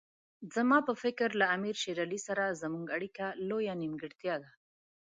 زما په فکر له امیر شېر علي سره زموږ اړیکو لویه نیمګړتیا ده.